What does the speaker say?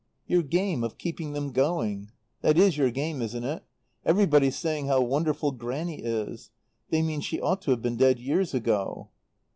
"Your game of keeping them going. That is your game, isn't it? Everybody's saying how wonderful Grannie is. They mean she ought to have been dead years ago.